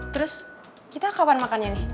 terus kita kapan makan ini